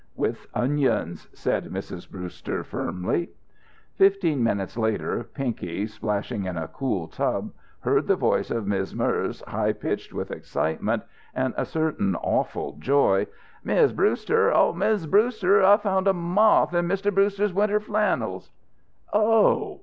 "With onions," said Mrs. Brewster firmly. Fifteen minutes later Pinky, splashing in a cool tub, heard the voice of Miz' Merz, high pitched with excitement and a certain awful joy: "Miz' Brewster! Oh, Miz' Brewster! I found a moth in Mr. Brewster's winter flannels!" "Oh!"